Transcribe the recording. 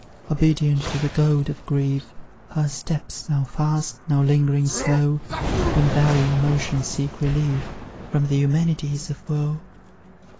Obedient to the goad of grief, Her steps, now fast, now lingering slow, In varying motion seek relief From the Eumenides of woe.